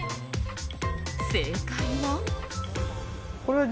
正解は。